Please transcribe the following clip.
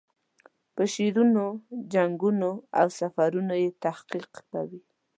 په شعرونو، جنګونو او سفرونو یې تحقیق کوي.